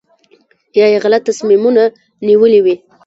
یا یې غلط تصمیمونه نیولي وي.